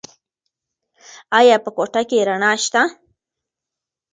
ایا په کوټه کې رڼا شته؟